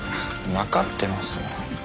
分かってますよ。